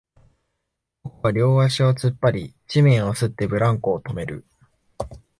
僕は両足を突っ張り、地面を擦って、ブランコを止める